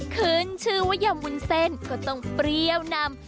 คืนชื่อว่าหยามวุ้นเซ็นก็ต้องเปรี้ยวนำ